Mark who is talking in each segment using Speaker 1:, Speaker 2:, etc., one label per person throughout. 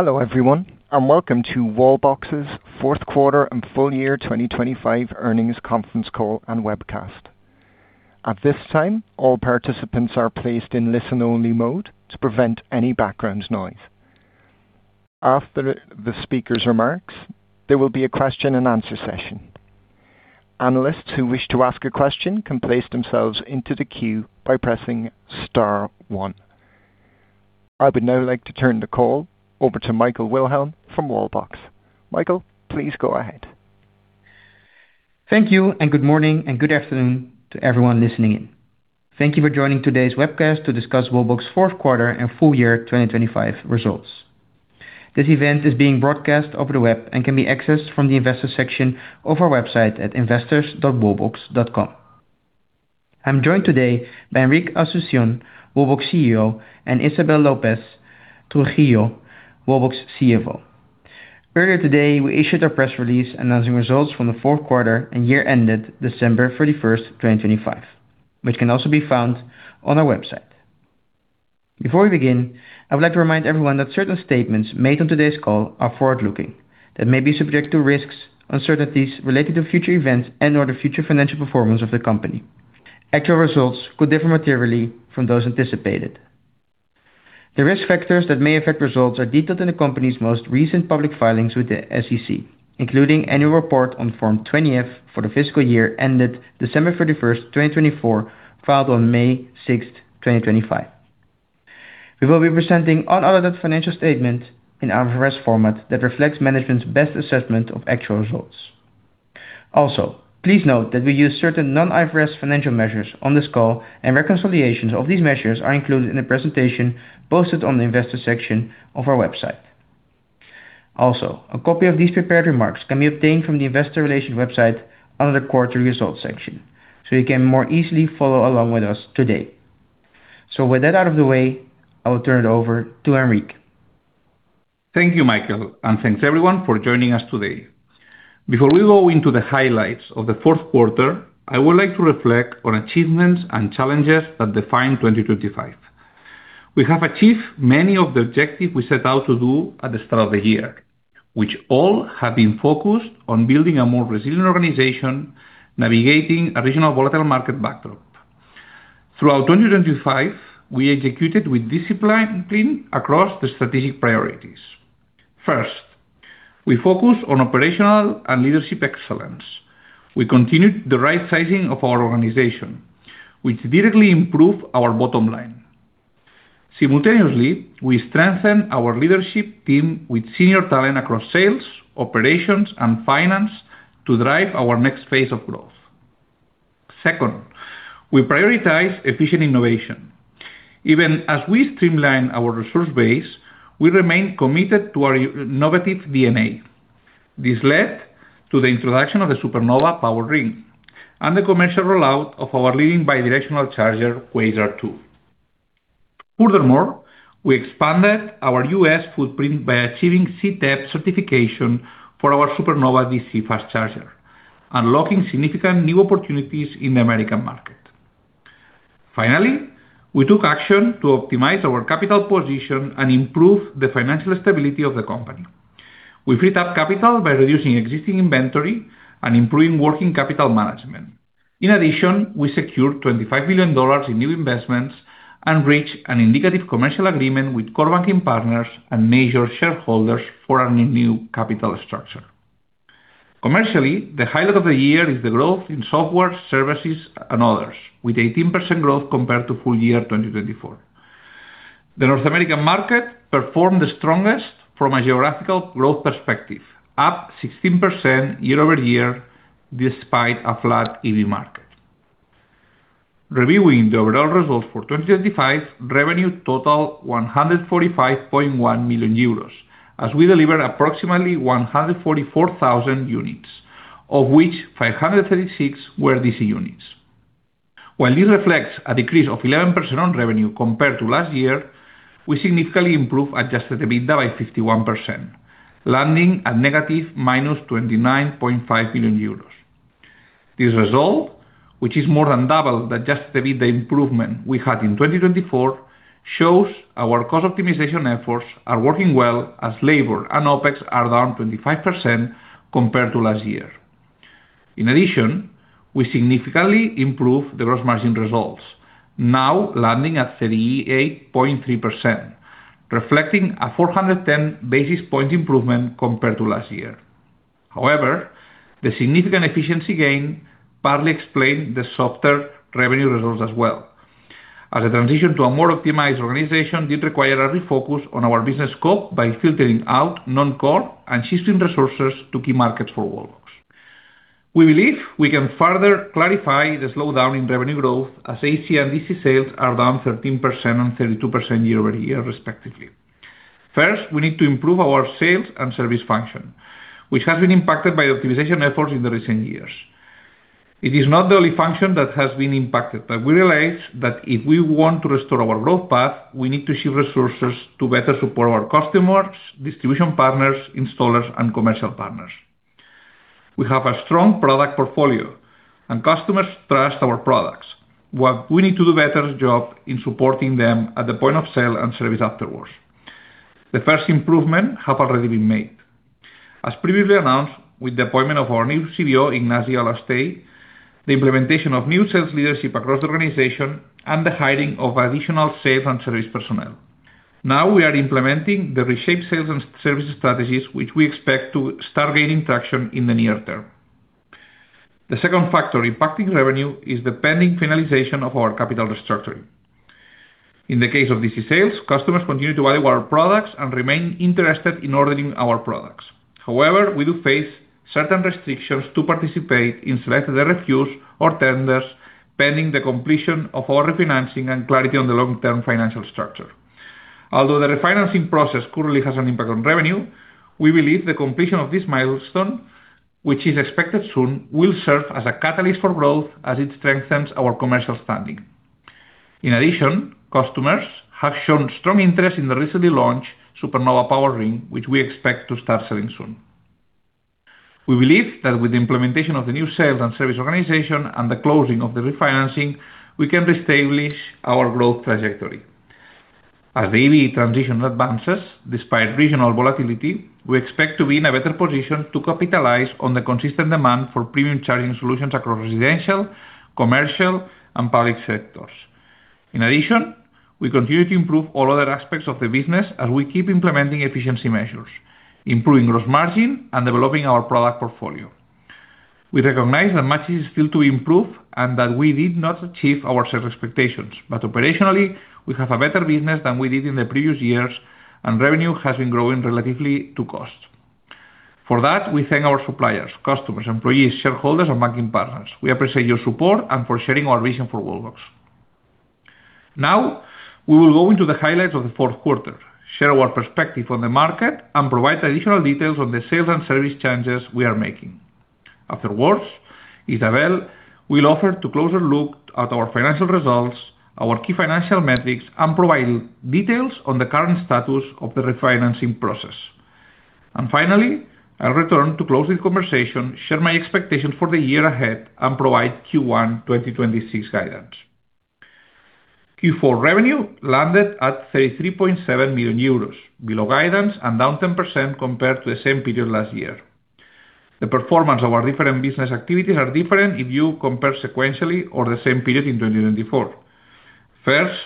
Speaker 1: Hello everyone, and welcome to Wallbox's 4th qu arter and full year 2025 earnings conference call and webcast. At this time, all participants are placed in listen-only mode to prevent any background noise. After the speaker's remarks, there will be a question-and-answer session. Analysts who wish to ask a question can place themselves into the queue by pressing star one. I would now like to turn the call over to Michael Wilhelm from Wallbox. Michael, please go ahead.
Speaker 2: Thank you. Good morning and good afternoon to everyone listening in. Thank you for joining today's webcast to discuss Wallbox fourth quarter and full year 2025 results. This event is being broadcast over the web and can be accessed from the investor section of our website at investors.wallbox.com. I'm joined today by Enric Asunción, Wallbox CEO, and Isabel López Trujillo, Wallbox CFO. Earlier today, we issued a press release announcing results from the fourth quarter and year ended December 31st, 2025, which can also be found on our website. Before we begin, I would like to remind everyone that certain statements made on today's call are forward-looking that may be subject to risks, uncertainties related to future events and/or the future financial performance of the company. Actual results could differ materially from those anticipated. The risk factors that may affect results are detailed in the company's most recent public filings with the SEC, including annual report on Form 20-F for the fiscal year ended December 31st, 2024, filed on May 6th, 2025. We will be presenting unaudited financial statement in IFRS format that reflects management's best assessment of actual results. Please note that we use certain non-IFRS financial measures on this call, and reconciliations of these measures are included in the presentation posted on the investor section of our website. A copy of these prepared remarks can be obtained from the investor relations website under the quarterly results section, so you can more easily follow along with us today. With that out of the way, I will turn it over to Enric.
Speaker 3: Thank you, Michael. Thanks everyone for joining us today. Before we go into the highlights of the fourth quarter, I would like to reflect on achievements and challenges that defined 2025. We have achieved many of the objectives we set out to do at the start of the year, which all have been focused on building a more resilient organization, navigating a regional volatile market backdrop. Throughout 2025, we executed with discipline across the strategic priorities. First, we focused on operational and leadership excellence. We continued the right sizing of our organization, which directly improved our bottom line. Simultaneously, we strengthened our leadership team with senior talent across sales, operations, and finance to drive our next phase of growth. Second, we prioritize efficient innovation. Even as we streamline our resource base, we remain committed to our innovative DNA. This led to the introduction of the Supernova PowerRing and the commercial rollout of our leading bidirectional charger, Quasar 2. We expanded our U.S. footprint by achieving CTEP certification for our Supernova DC fast charger, unlocking significant new opportunities in the American market. We took action to optimize our capital position and improve the financial stability of the company. We freed up capital by reducing existing inventory and improving working capital management. We secured $25 billion in new investments and reached an indicative commercial agreement with core banking partners and major shareholders for our new capital structure. The highlight of the year is the growth in software services and others, with 18% growth compared to full year 2024. The North American market performed the strongest from a geographical growth perspective, up 16% year-over-year despite a flat EV market. Reviewing the overall results for 2025, revenue total 145.1 million euros as we deliver approximately 144,000 units, of which 536 were DC units. While this reflects a decrease of 11% on revenue compared to last year, we significantly improved Adjusted EBITDA by 51%, landing at negative minus 29.5 million euros. This result, which is more than double the Adjusted EBITDA improvement we had in 2024, shows our cost optimization efforts are working well as labor and OpEx are down 25% compared to last year. In addition, we significantly improve the gross margin results, now landing at 38.3%, reflecting a 410 basis point improvement compared to last year. However, the significant efficiency gain partly explained the softer revenue results as well. A transition to a more optimized organization did require a refocus on our business scope by filtering out non-core and shifting resources to key markets for Wallbox. We believe we can further clarify the slowdown in revenue growth as AC and DC sales are down 13% and 32% year-over-year respectively. We need to improve our sales and service function, which has been impacted by optimization efforts in the recent years. It is not the only function that has been impacted, we realize that if we want to restore our growth path, we need to shift resources to better support our customers, distribution partners, installers, and commercial partners. We have a strong product portfolio and customers trust our products. What we need to do better is job in supporting them at the point of sale and service afterwards. The first improvement have already been made. As previously announced, with the appointment of our new CBO, Ignasi Alastuey, the implementation of new sales leadership across the organization, and the hiring of additional sales and service personnel. We are implementing the reshaped sales and service strategies, which we expect to start gaining traction in the near term. The second factor impacting revenue is the pending finalization of our capital restructuring. In the case of DC sales, customers continue to value our products and remain interested in ordering our products. We do face certain restrictions to participate in selected RFQs or tenders, pending the completion of our refinancing and clarity on the long-term financial structure. The refinancing process currently has an impact on revenue, we believe the completion of this milestone, which is expected soon, will serve as a catalyst for growth as it strengthens our commercial standing. In addition, customers have shown strong interest in the recently launched Supernova PowerRing, which we expect to start selling soon. We believe that with the implementation of the new sales and service organization and the closing of the refinancing, we can reestablish our growth trajectory. As EV transition advances, despite regional volatility, we expect to be in a better position to capitalize on the consistent demand for premium charging solutions across residential, commercial, and public sectors. In addition, we continue to improve all other aspects of the business as we keep implementing efficiency measures, improving gross margin, and developing our product portfolio. We recognize that much is still to improve and that we did not achieve our sales expectations. Operationally, we have a better business than we did in the previous years, and revenue has been growing relatively to cost. For that, we thank our suppliers, customers, employees, shareholders, and banking partners. We appreciate your support and for sharing our vision for Wallbox. We will go into the highlights of the fourth quarter, share our perspective on the market, and provide additional details on the sales and service changes we are making. Isabel will offer to closer look at our financial results, our key financial metrics, and provide details on the current status of the refinancing process. Finally, I'll return to close the conversation, share my expectations for the year ahead, and provide Q1 2026 guidance. Q4 revenue landed at 33.7 million euros, below guidance and down 10% compared to the same period last year. The performance of our different business activities are different if you compare sequentially or the same period in 2024. First,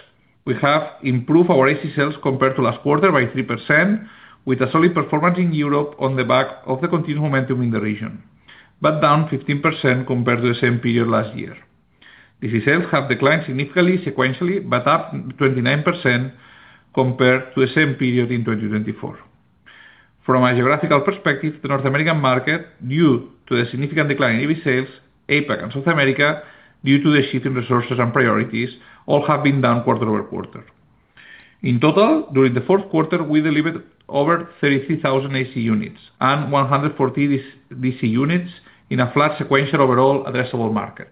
Speaker 3: we have improved our AC sales compared to last quarter by 3% with a solid performance in Europe on the back of the continued momentum in the region, but down 15% compared to the same period last year. DC sales have declined significantly, sequentially, but up 29% compared to the same period in 2024. From a geographical perspective, the North American market, due to a significant decline in EV sales, APAC and South America, due to the shifting resources and priorities, all have been down quarter-over-quarter. In total, during the fourth quarter, we delivered over 33,000 AC units and 114 DC units in a flat sequential overall addressable market,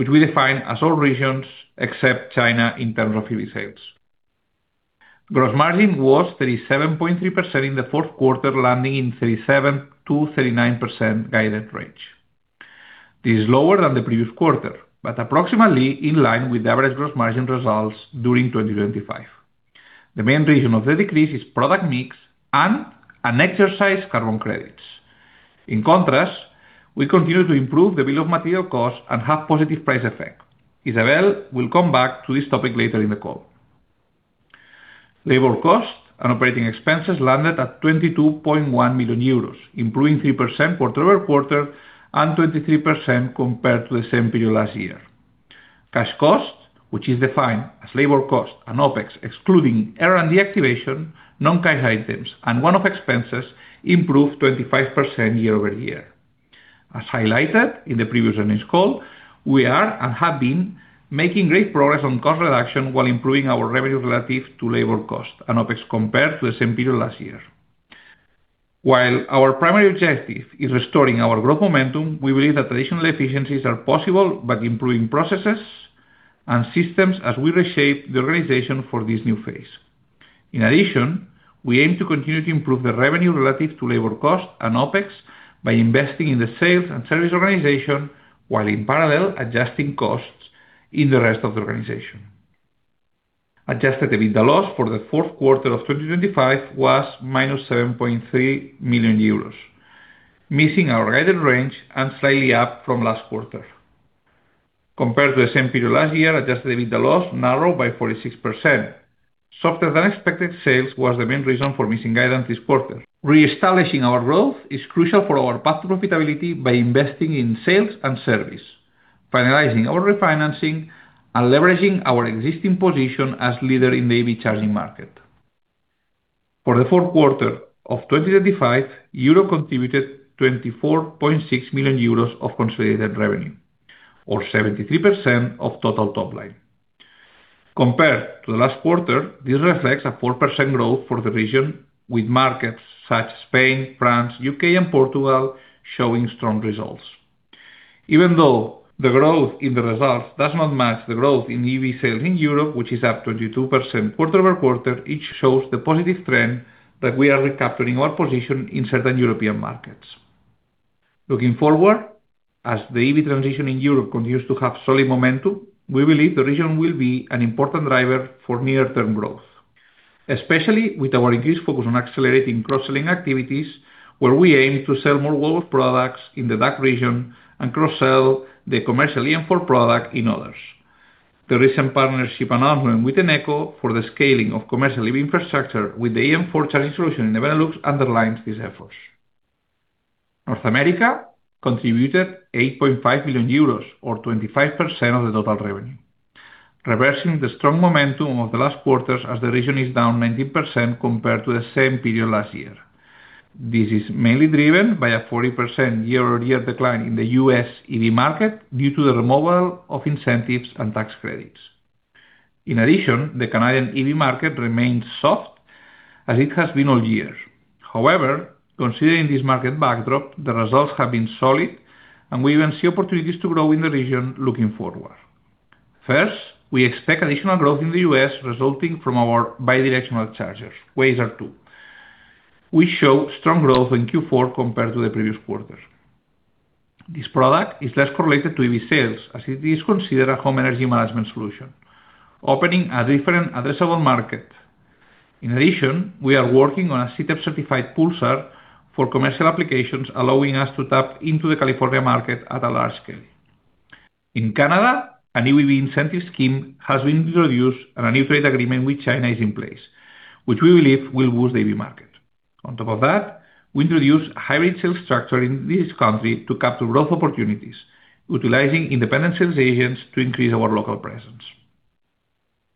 Speaker 3: which we define as all regions except China in terms of EV sales. Gross margin was 37.3% in the fourth quarter, landing in 37%-39% guided range. This is lower than the previous quarter, but approximately in line with the average gross margin results during 2025. The main reason of the decrease is product mix and unexercised carbon credits. In contrast, we continue to improve the bill of materials cost and have positive price effect. Isabel will come back to this topic later in the call. Labor cost and operating expenses landed at 22.1 million euros, improving 3% quarter-over-quarter and 23% compared to the same period last year. Cash costs, which is defined as labor cost and OpEx, excluding R&D activation, non-cash items, and one-off expenses, improved 25% year-over-year. As highlighted in the previous earnings call, we are and have been making great progress on cost reduction while improving our revenue relative to labor cost and OpEx compared to the same period last year. While our primary objective is restoring our growth momentum, we believe that traditional efficiencies are possible by improving processes and systems as we reshape the organization for this new phase. In addition, we aim to continue to improve the revenue relative to labor cost and OpEx by investing in the sales and service organization, while in parallel, adjusting costs in the rest of the organization. Adjusted EBITDA loss for the fourth quarter of 2025 was -7.3 million euros, missing our guided range and slightly up from last quarter. Compared to the same period last year, Adjusted EBITDA loss narrowed by 46%. Softer than expected sales was the main reason for missing guidance this quarter. Reestablishing our growth is crucial for our path to profitability by investing in sales and service, finalizing our refinancing, and leveraging our existing position as leader in the EV charging market. For the fourth quarter of 2025, Europe contributed 24.6 million euros of consolidated revenue or 73% of total top line. Compared to the last quarter, this reflects a 4% growth for the region with markets such as Spain, France, UK, and Portugal showing strong results. Even though the growth in the results does not match the growth in EV sales in Europe, which is up 22% quarter-over-quarter, each shows the positive trend that we are recapturing our position in certain European markets. Looking forward, as the EV transition in Europe continues to have solid momentum, we believe the region will be an important driver for near-term growth, especially with our increased focus on accelerating cross-selling activities, where we aim to sell more Wallbox products in the DACH region and cross-sell the commercial eM4 product in others. The recent partnership announcement with Eneco for the scaling of commercial EV infrastructure with the eM4 charging solution in the Benelux underlines these efforts. North America contributed 8.5 million euros, or 25% of the total revenue, reversing the strong momentum of the last quarters as the region is down 19% compared to the same period last year. This is mainly driven by a 40% year-over-year decline in the U.S. EV market due to the removal of incentives and tax credits. In addition, the Canadian EV market remains soft as it has been all year. Considering this market backdrop, the results have been solid, and we even see opportunities to grow in the region looking forward. First, we expect additional growth in the U.S. resulting from our bidirectional chargers, Quasar 2. We showed strong growth in Q4 compared to the previous quarter. This product is less correlated to EV sales, as it is considered a home energy management solution, opening a different addressable market. In addition, we are working on a CTEP-certified Pulsar for commercial applications, allowing us to tap into the California market at a large scale. In Canada, an EV incentive scheme has been introduced and a new trade agreement with China is in place, which we believe will boost the EV market. On top of that, we introduced a hybrid sales structure in this country to capture growth opportunities, utilizing independent sales agents to increase our local presence.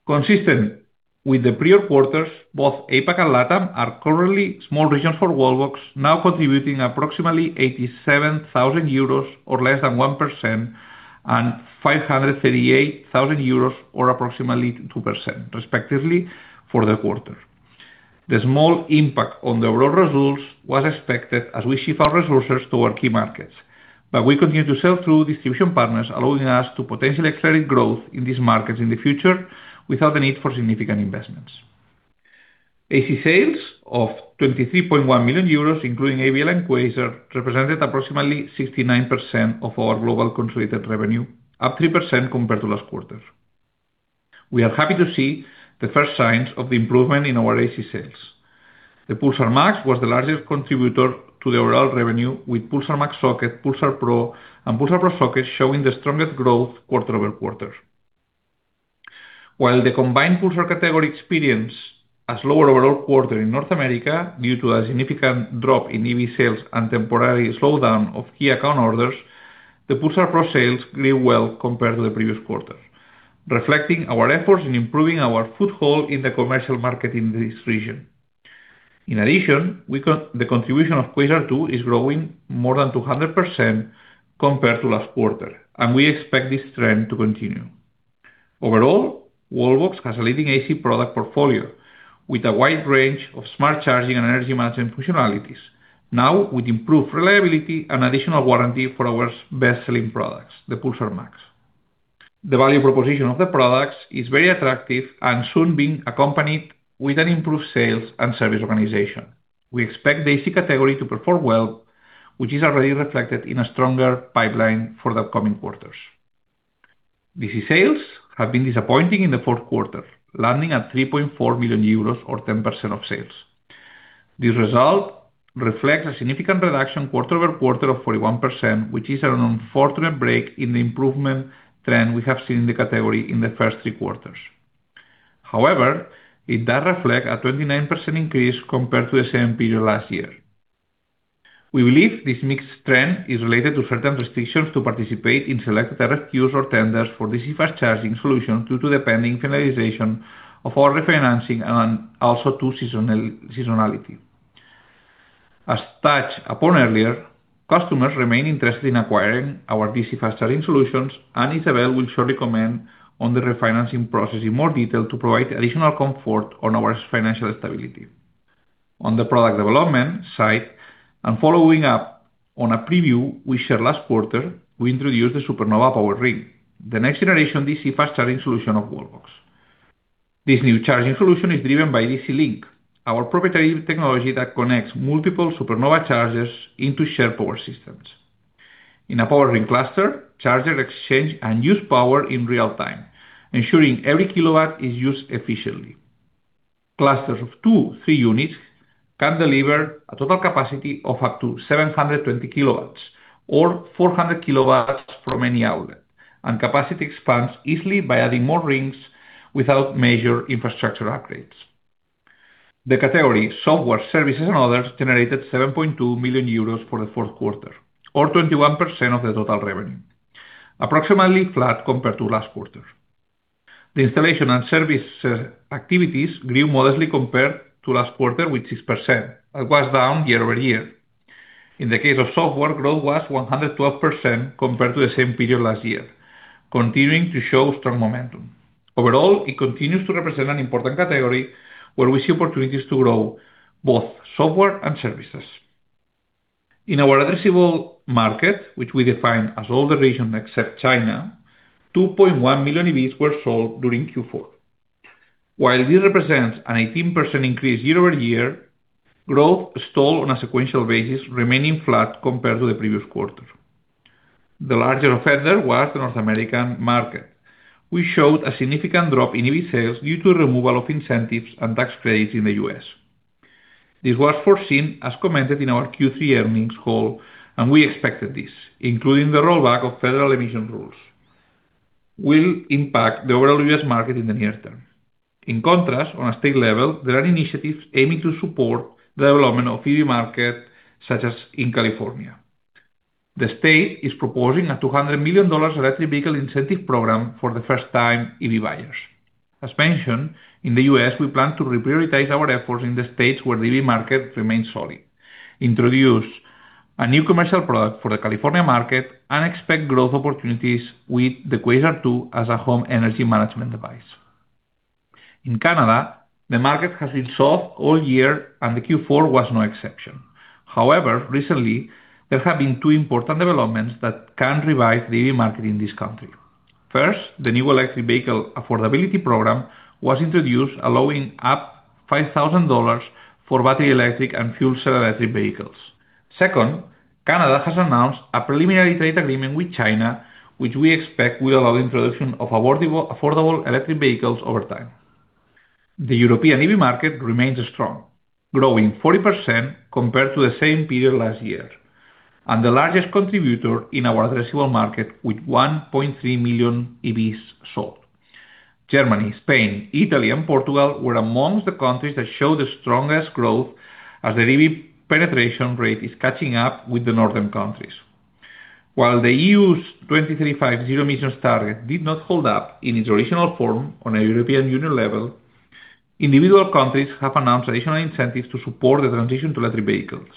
Speaker 3: Consistent with the prior quarters, both APAC and LATAM are currently small regions for Wallbox, now contributing approximately 87,000 euros, or less than 1%, and 538,000 euros, or approximately 2% respectively for the quarter. The small impact on the overall results was expected as we shift our resources to our key markets, but we continue to sell through distribution partners, allowing us to potentially accelerate growth in these markets in the future without the need for significant investments. AC sales of 23.1 million euros, including ABL and Quasar, represented approximately 69% of our global consolidated revenue, up 3% compared to last quarter. We are happy to see the first signs of the improvement in our AC sales. The Pulsar Max was the largest contributor to the overall revenue, with Pulsar Max Socket, Pulsar Pro, and Pulsar Pro Socket showing the strongest growth quarter-over-quarter. While the combined Pulsar category experienced a slower overall quarter in North America due to a significant drop in EV sales and temporary slowdown of key account orders, the Pulsar Pro sales grew well compared to the previous quarter, reflecting our efforts in improving our foothold in the commercial market in this region. In addition, the contribution of Quasar 2 is growing more than 200% compared to last quarter, and we expect this trend to continue. Overall, Wallbox has a leading AC product portfolio with a wide range of smart charging and energy management functionalities, now with improved reliability and additional warranty for our best-selling products, the Pulsar Max. The value proposition of the products is very attractive and soon being accompanied with an improved sales and service organization. We expect the AC category to perform well, which is already reflected in a stronger pipeline for the coming quarters. DC sales have been disappointing in the fourth quarter, landing at 3.4 million euros, or 10% of sales. This result reflects a significant reduction quarter-over-quarter of 41%, which is an unfortunate break in the improvement trend we have seen in the category in the first three quarters. It does reflect a 29% increase compared to the same period last year. We believe this mixed trend is related to certain restrictions to participate in select RFQs or tenders for DC fast charging solutions due to the pending finalization of our refinancing and also to seasonality. As touched upon earlier, customers remain interested in acquiring our DC fast-charging solutions. Isabel will shortly comment on the refinancing process in more detail to provide additional comfort on our financial stability. On the product development side, following up on a preview we shared last quarter, we introduced the Supernova PowerRing, the next-generation DC fast-charging solution of Wallbox. This new charging solution is driven by DC Link, our proprietary technology that connects multiple Supernova chargers into shared power systems. In a power ring cluster, chargers exchange and use power in real time, ensuring every kilowatt is used efficiently. Clusters of two, three units can deliver a total capacity of up to 720 kilowatts, or 400 kilowatts from any outlet. Capacity expands easily by adding more rings without major infrastructure upgrades. The category software, services, and others generated 7.2 million euros for the fourth quarter, or 21% of the total revenue, approximately flat compared to last quarter. The installation and service activities grew modestly compared to last quarter, with 6%, and was down year-over-year. In the case of software, growth was 112% compared to the same period last year. Continuing to show strong momentum. Overall, it continues to represent an important category where we see opportunities to grow both software and services. In our addressable market, which we define as all the regions except China, 2.1 million EVs were sold during Q4. While this represents an 18% increase year-over-year, growth stalled on a sequential basis, remaining flat compared to the previous quarter. The larger offender was the North American market. We showed a significant drop in EV sales due to removal of incentives and tax credits in the U.S. This was foreseen as commented in our Q3 earnings call, and we expected this, including the rollback of federal emission rules, will impact the overall U.S. market in the near term. In contrast, on a state level, there are initiatives aiming to support the development of EV market, such as in California. The state is proposing a $200 million electric vehicle incentive program for the first-time EV buyers. As mentioned, in the U.S., we plan to reprioritize our efforts in the states where the EV market remains solid, introduce a new commercial product for the California market and expect growth opportunities with the Quasar 2 as a home energy management device. In Canada, the market has been soft all year and the Q4 was no exception. Recently, there have been two important developments that can revive the EV market in this country. First, the new Electric Vehicle Affordability Program was introduced allowing up $5,000 for battery electric and fuel cell electric vehicles. Second, Canada has announced a preliminary trade agreement with China, which we expect will allow the introduction of affordable electric vehicles over time. The European EV market remains strong, growing 40% compared to the same period last year, and the largest contributor in our addressable market with 1.3 million EVs sold. Germany, Spain, Italy, and Portugal were amongst the countries that showed the strongest growth as the EV penetration rate is catching up with the northern countries. While the EU's 2035 zero emissions target did not hold up in its original form on a European Union level, individual countries have announced additional incentives to support the transition to electric vehicles.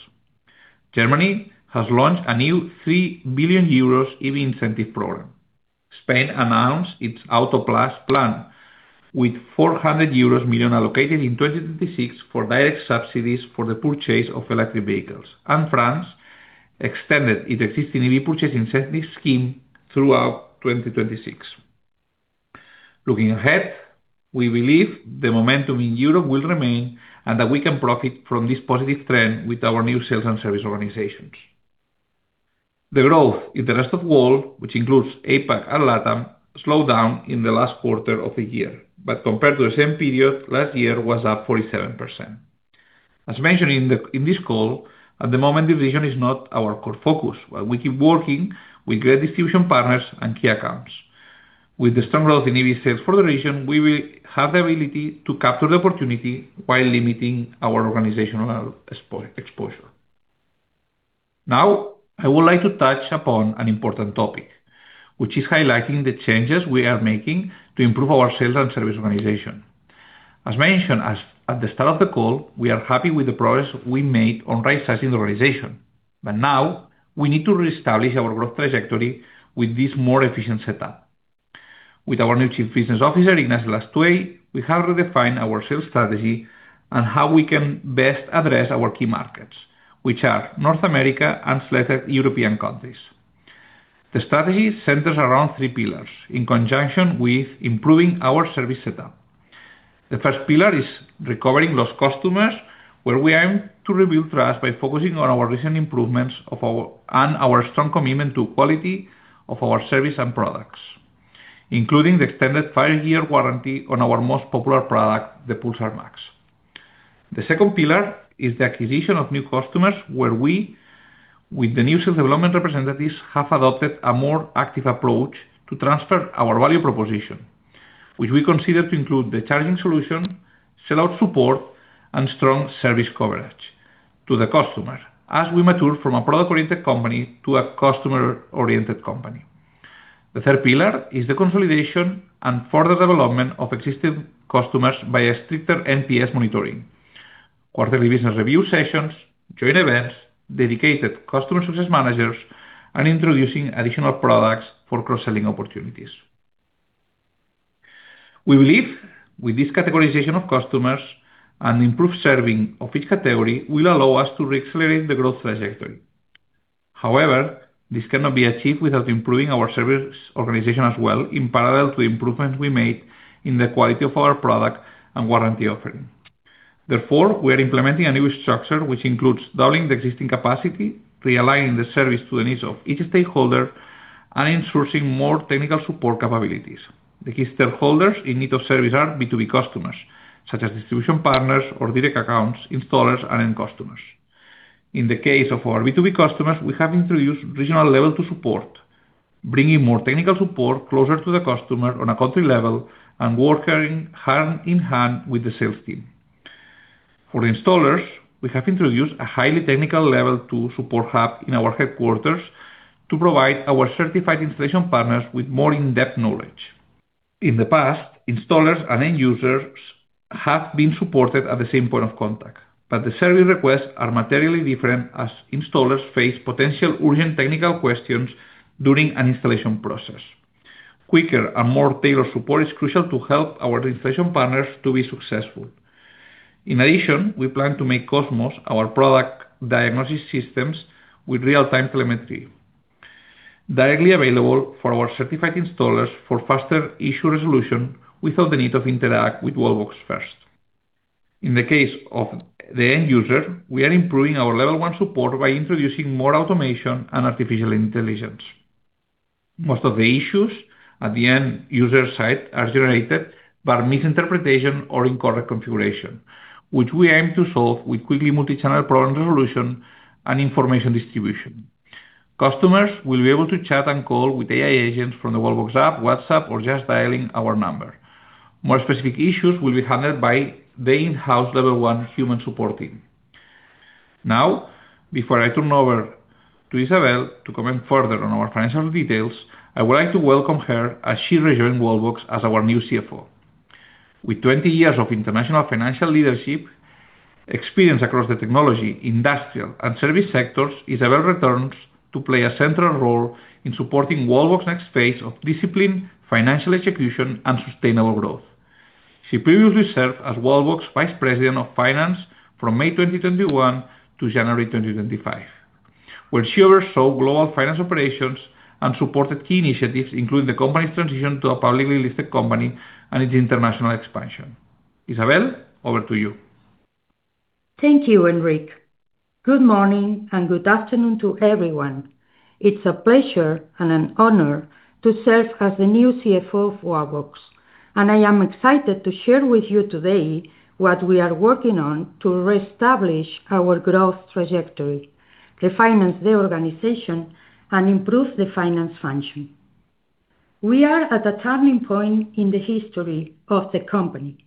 Speaker 3: Germany has launched a new 3 billion euros EV incentive program. Spain announced its Auto+ Plan, with 400 million euros allocated in 2036 for direct subsidies for the purchase of electric vehicles. France extended its existing EV purchase incentive scheme throughout 2026. Looking ahead, we believe the momentum in Europe will remain, that we can profit from this positive trend with our new sales and service organizations. The growth in the rest of world, which includes APAC and LATAM, slowed down in the last quarter of the year, compared to the same period last year was up 47%. As mentioned in this call, at the moment, the region is not our core focus. We keep working with great distribution partners and key accounts. With the strong growth in EV sales for the region, we will have the ability to capture the opportunity while limiting our organizational exposure. I would like to touch upon an important topic, which is highlighting the changes we are making to improve our sales and service organization. As mentioned at the start of the call, we are happy with the progress we made on right-sizing the organization. Now we need to reestablish our growth trajectory with this more efficient setup. With our new Chief Business Officer, Ignasi Alastuey, we have redefined our sales strategy and how we can best address our key markets, which are North America and selected European countries. The strategy centers around three pillars in conjunction with improving our service setup. The first pillar is recovering lost customers, where we aim to rebuild trust by focusing on our recent improvements and our strong commitment to quality of our service and products, including the extended five-year warranty on our most popular product, the Pulsar Max. The second pillar is the acquisition of new customers, where we, with the new sales development representatives, have adopted a more active approach to transfer our value proposition, which we consider to include the charging solution, sellout support, and strong service coverage to the customer as we mature from a product-oriented company to a customer-oriented company. The third pillar is the consolidation and further development of existing customers via stricter NPS monitoring, quarterly business review sessions, joint events, dedicated customer success managers, and introducing additional products for cross-selling opportunities. We believe with this categorization of customers and improved serving of each category will allow us to re-accelerate the growth trajectory. This cannot be achieved without improving our service organization as well in parallel to improvements we made in the quality of our product and warranty offering. Therefore, we are implementing a new structure, which includes doubling the existing capacity, realigning the service to the needs of each stakeholder, and in sourcing more technical support capabilities. The key stakeholders in need of service are B2B customers, such as distribution partners or direct accounts, installers, and end customers. In the case of our B2B customers, we have introduced regional level to support, bringing more technical support closer to the customer on a country level and working hand in hand with the sales team. For the installers, we have introduced a highly technical level two support hub in our headquarters to provide our certified installation partners with more in-depth knowledge. In the past, installers and end users have been supported at the same point of contact, but the service requests are materially different as installers face potential urgent technical questions during an installation process. Quicker and more tailored support is crucial to help our installation partners to be successful. In addition, we plan to make Cosmos, our product diagnosis systems, with real-time telemetry, directly available for our certified installers for faster issue resolution without the need of interact with Wallbox first. In the case of the end user, we are improving our level one support by introducing more automation and artificial intelligence. Most of the issues at the end user side are generated by misinterpretation or incorrect configuration, which we aim to solve with quickly multi-channel problem resolution and information distribution. Customers will be able to chat and call with AI agents from the Wallbox app, WhatsApp, or just dialing our number. More specific issues will be handled by the in-house level one human support team. Before I turn over to Isabel to comment further on our financial details, I would like to welcome her as she rejoined Wallbox as our new CFO. With 20 years of international financial leadership experience across the technology, industrial, and service sectors, Isabel returns to play a central role in supporting Wallbox's next phase of disciplined financial execution and sustainable growth. She previously served as Wallbox Vice President of Finance from May 2021 to January 2025, where she oversaw global finance operations and supported key initiatives, including the company's transition to a publicly listed company and its international expansion. Isabel, over to you.
Speaker 4: Thank you, Enric. Good morning and good afternoon to everyone. It's a pleasure and an honor to serve as the new CFO for Wallbox. I am excited to share with you today what we are working on to reestablish our growth trajectory, refinance the organization, and improve the finance function. We are at a turning point in the history of the company.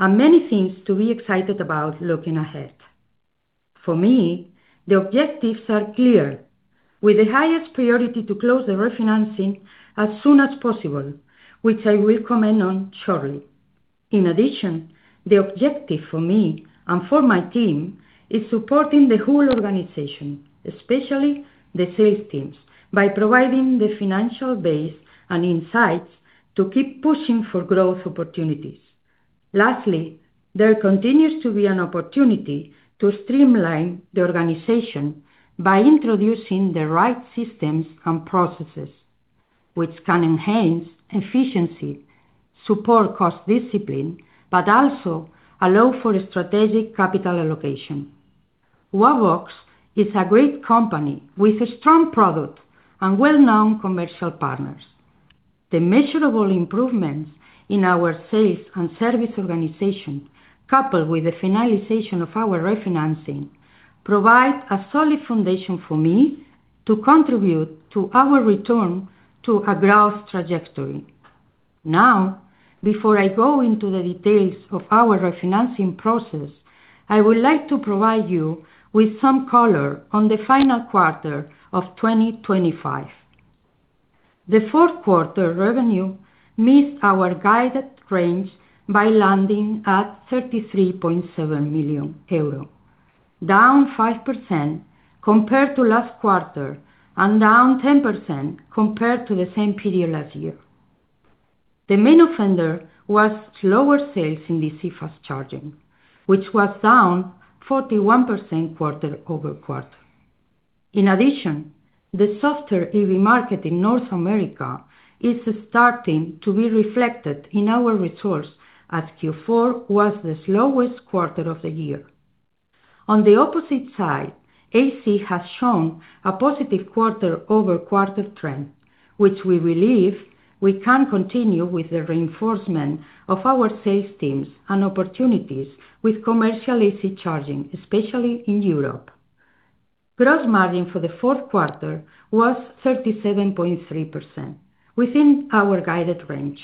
Speaker 4: Many things to be excited about looking ahead. For me, the objectives are clear, with the highest priority to close the refinancing as soon as possible, which I will comment on shortly. In addition, the objective for me and for my team is supporting the whole organization, especially the sales teams, by providing the financial base and insights to keep pushing for growth opportunities. Lastly, there continues to be an opportunity to streamline the organization by introducing the right systems and processes which can enhance efficiency, support cost discipline, but also allow for strategic capital allocation. Wallbox is a great company with a strong product and well-known commercial partners. The measurable improvements in our sales and service organization, coupled with the finalization of our refinancing, provide a solid foundation for me to contribute to our return to a growth trajectory. Before I go into the details of our refinancing process, I would like to provide you with some color on the final quarter of 2025. The fourth quarter revenue missed our guided range by landing at 33.7 million euro, down 5% compared to last quarter and down 10% compared to the same period last year. The main offender was lower sales in DC fast charging, which was down 41% quarter-over-quarter. In addition, the softer EV market in North America is starting to be reflected in our results as Q4 was the slowest quarter of the year. On the opposite side, AC has shown a positive quarter-over-quarter trend, which we believe we can continue with the reinforcement of our sales teams and opportunities with commercial AC charging, especially in Europe. Gross margin for the fourth quarter was 37.3%, within our guided range.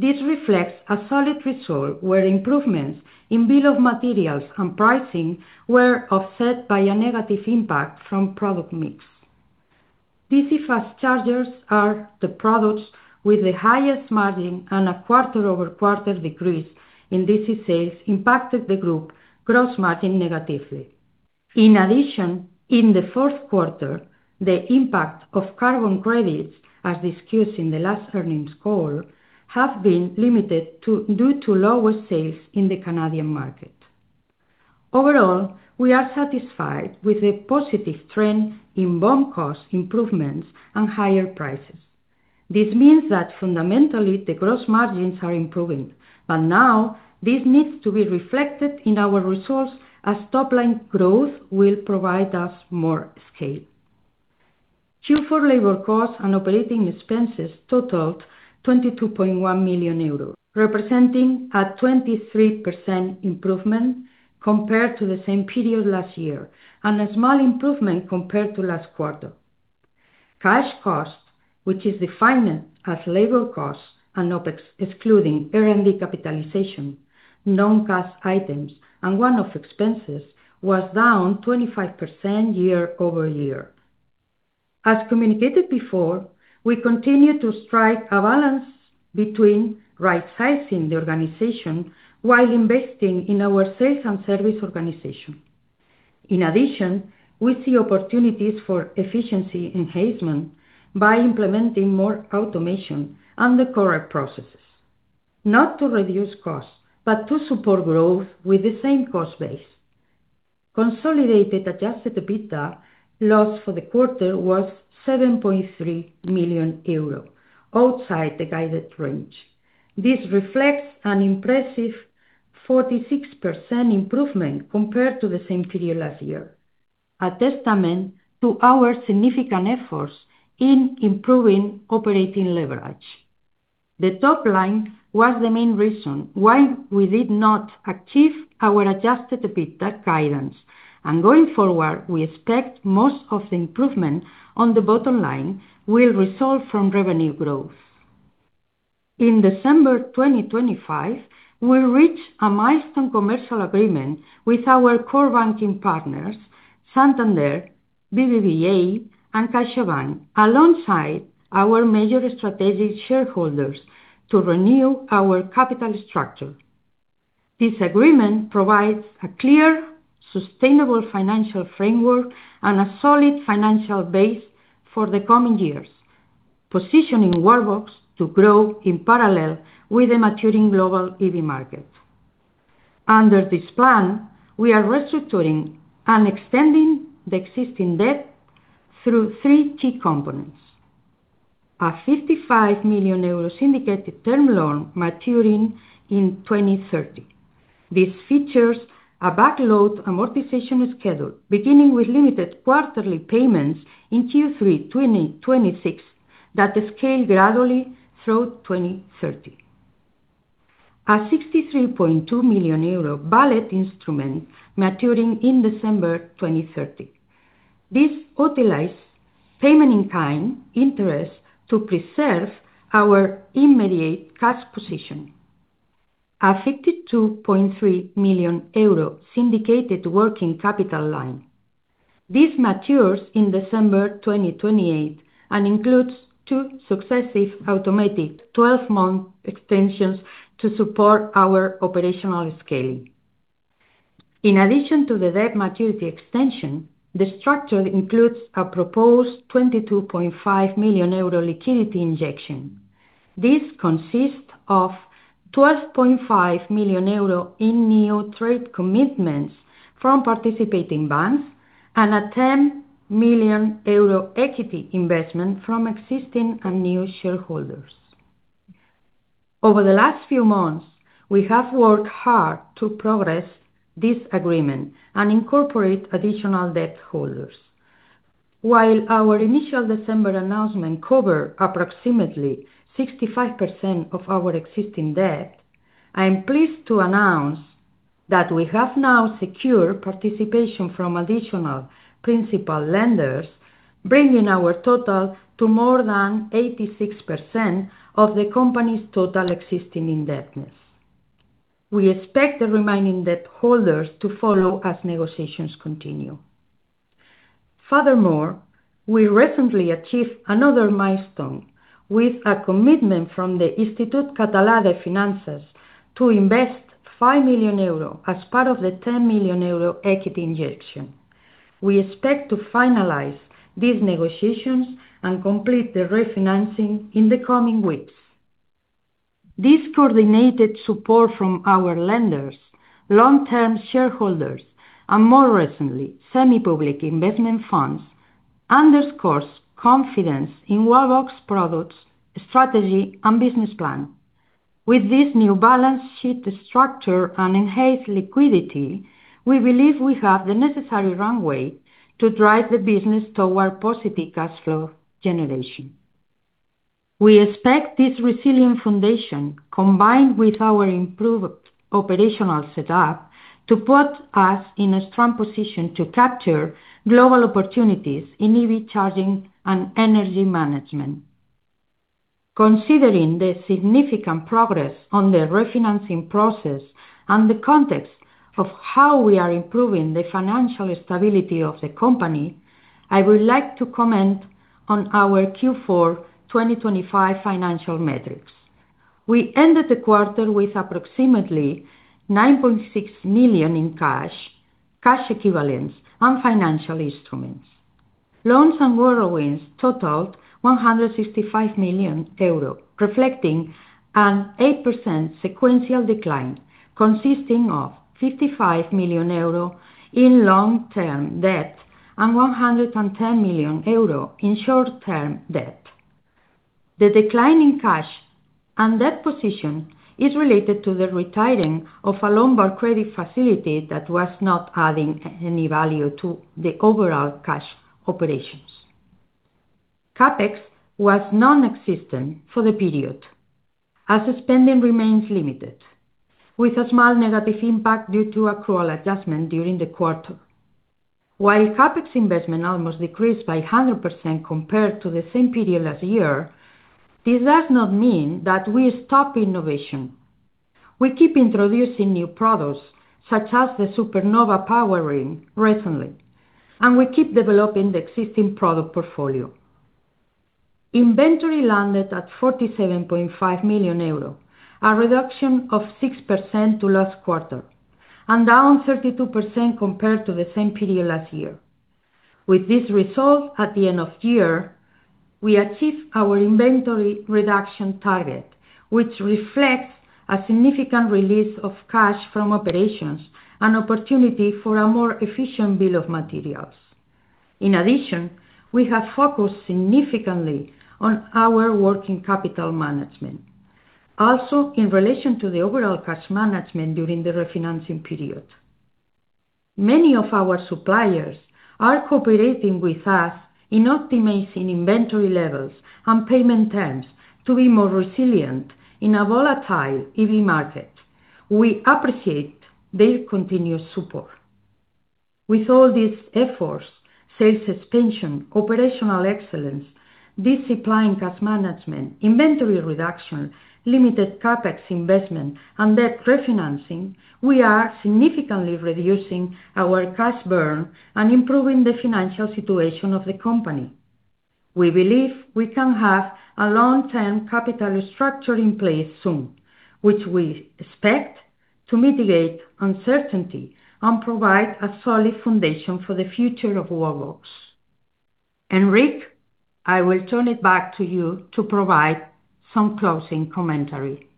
Speaker 4: This reflects a solid result where improvements in bill of materials and pricing were offset by a negative impact from product mix. DC fast chargers are the products with the highest margin, and a quarter-over-quarter decrease in DC sales impacted the group gross margin negatively. In addition, in the fourth quarter, the impact of carbon credits, as discussed in the last earnings call, have been limited due to lower sales in the Canadian market. Overall, we are satisfied with the positive trend in BOM cost improvements and higher prices. This means that fundamentally, the gross margins are improving. Now this needs to be reflected in our results, as top-line growth will provide us more scale. Q4 labor costs and operating expenses totaled 22.1 million euros, representing a 23% improvement compared to the same period last year, and a small improvement compared to last quarter. Cash costs, which is defined as labor costs and OpEx, excluding R&D capitalization, non-cash items, and one-off expenses, was down 25% year-over-year. As communicated before, we continue to strike a balance between right-sizing the organization while investing in our sales and service organization. We see opportunities for efficiency enhancement by implementing more automation and the correct processes, not to reduce costs, but to support growth with the same cost base. Consolidated Adjusted EBITDA loss for the quarter was 7.3 million euro, outside the guided range. This reflects an impressive 46% improvement compared to the same period last year, a testament to our significant efforts in improving operating leverage. The top line was the main reason why we did not achieve our Adjusted EBITDA guidance. Going forward, we expect most of the improvement on the bottom line will result from revenue growth. In December 2025, we reached a milestone commercial agreement with our core banking partners, Santander, BBVA, and CaixaBank, alongside our major strategic shareholders to renew our capital structure. This agreement provides a clear, sustainable financial framework and a solid financial base for the coming years, positioning Wallbox to grow in parallel with the maturing global EV market. Under this plan, we are restructuring and extending the existing debt through three key components. A 55 million euro syndicated term loan maturing in 2030. This features a back-load amortization schedule, beginning with limited quarterly payments in Q3 2026 that scale gradually through 2030. A 63.2 million euro bullet instrument maturing in December 2030. This utilizes Payment in Kind interest to preserve our immediate cash position. A 52.3 million euro syndicated working capital line. This matures in December 2028 and includes two successive automatic 12-month extensions to support our operational scaling. In addition to the debt maturity extension, the structure includes a proposed 22.5 million euro liquidity injection. This consists of 12.5 million euro in new trade commitments from participating banks and a 10 million euro equity investment from existing and new shareholders. Over the last few months, we have worked hard to progress this agreement and incorporate additional debt holders. While our initial December announcement covered approximately 65% of our existing debt, I am pleased to announce that we have now secured participation from additional principal lenders, bringing our total to more than 86% of the company's total existing indebtedness. We expect the remaining debt holders to follow as negotiations continue. We recently achieved another milestone with a commitment from the Institut Català de Finances to invest 5 million euro as part of the 10 million euro equity injection. We expect to finalize these negotiations and complete the refinancing in the coming weeks. This coordinated support from our lenders, long-term shareholders, and more recently, semi-public investment funds, underscores confidence in Wallbox products, strategy, and business plan. With this new balance sheet structure and enhanced liquidity, we believe we have the necessary runway to drive the business toward positive cash flow generation. We expect this resilient foundation, combined with our improved operational setup, to put us in a strong position to capture global opportunities in EV charging and energy management. Considering the significant progress on the refinancing process and the context of how we are improving the financial stability of the company, I would like to comment on our Q4 2025 financial metrics. We ended the quarter with approximately 9.6 million in cash equivalents, and financial instruments. Loans and borrowings totaled 165 million euro, reflecting an 8% sequential decline, consisting of 55 million euro in long-term debt and 110 million euro in short-term debt. The decline in cash and debt position is related to the retiring of a working capital line that was not adding any value to the overall cash operations. CapEx was non-existent for the period as spending remains limited, with a small negative impact due to accrual adjustment during the quarter. CapEx investment almost decreased by 100% compared to the same period last year, this does not mean that we stop innovation. We keep introducing new products, such as the Supernova PowerRing recently, and we keep developing the existing product portfolio. Inventory landed at 47.5 million euro, a reduction of 6% to last quarter, and down 32% compared to the same period last year. With this result, at the end of year, we achieved our inventory reduction target, which reflects a significant release of cash from operations and opportunity for a more efficient bill of materials. We have focused significantly on our working capital management, also in relation to the overall cash management during the refinancing period. Many of our suppliers are cooperating with us in optimizing inventory levels and payment terms to be more resilient in a volatile EV market. We appreciate their continuous support. With all these efforts, sales expansion, operational excellence, discipline, cash management, inventory reduction, limited CapEx investment, and debt refinancing, we are significantly reducing our cash burn and improving the financial situation of the company. We believe we can have a long-term capital structure in place soon, which we expect to mitigate uncertainty and provide a solid foundation for the future of Wallbox. Ric, I will turn it back to you to provide some closing commentary.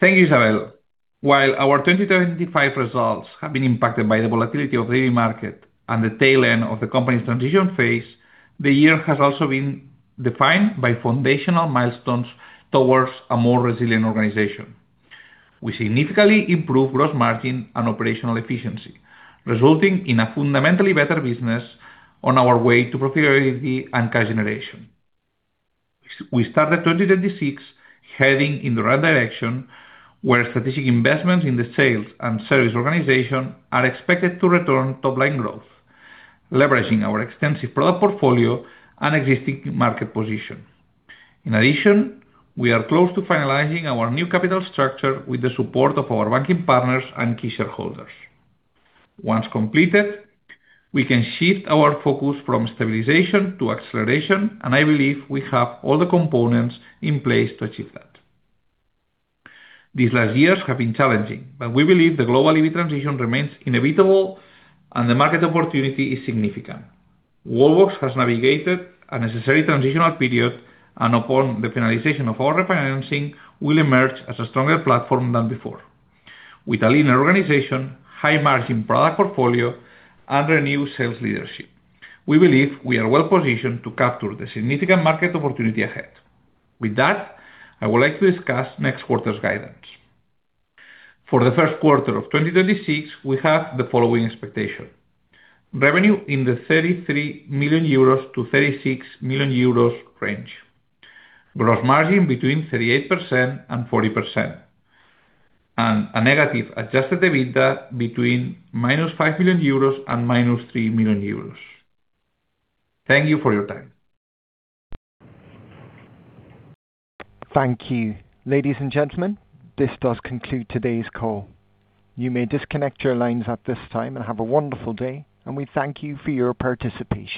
Speaker 3: Thank you, Isabel. While our 2025 results have been impacted by the volatility of the EV market and the tail end of the company's transition phase, the year has also been defined by foundational milestones towards a more resilient organization. We significantly improve gross margin and operational efficiency, resulting in a fundamentally better business on our way to profitability and cash generation. We started 2036 heading in the right direction, where strategic investments in the sales and service organization are expected to return top-line growth, leveraging our extensive product portfolio and existing market position. We are close to finalizing our new capital structure with the support of our banking partners and key shareholders. Once completed, we can shift our focus from stabilization to acceleration, and I believe we have all the components in place to achieve that. These last years have been challenging, we believe the global EV transition remains inevitable and the market opportunity is significant. Wallbox has navigated a necessary transitional period, upon the finalization of our refinancing, will emerge as a stronger platform than before. With a linear organization, high margin product portfolio, and a new sales leadership, we believe we are well-positioned to capture the significant market opportunity ahead. With that, I would like to discuss next quarter's guidance. For the first quarter of 2036, we have the following expectation. Revenue in the 33 million-36 million euros range. Gross margin between 38% and 40%. A negative Adjusted EBITDA between -5 million euros and -3 million euros. Thank you for your time.
Speaker 1: Thank you. Ladies and gentlemen, this does conclude today's call. You may disconnect your lines at this time and have a wonderful day, and we thank you for your participation.